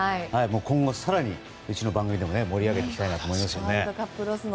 今後、更にうちの番組でも盛り上げていきたいなと思いますね。